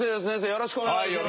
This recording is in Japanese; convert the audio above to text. よろしくお願いします。